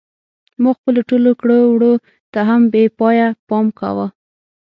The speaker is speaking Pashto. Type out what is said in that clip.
ما خپلو ټولو کړو وړو ته هم بې پایه پام کاوه.